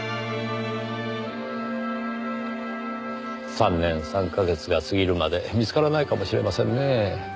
３年３か月が過ぎるまで見つからないかもしれませんねぇ。